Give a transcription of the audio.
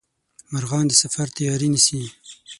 مرغان د سفر تیاري نیسي